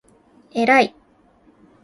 えらい！！！！！！！！！！！！！！！